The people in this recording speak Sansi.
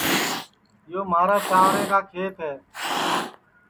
یو مھارا چانٚورے کا کھیت ہے